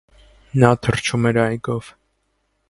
Նա թռչում էր այգով։